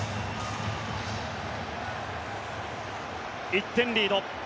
１点リード。